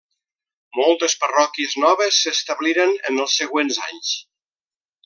Moltes parròquies noves s'establiren en els següents anys.